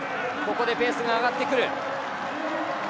ここでペースが上がってくる。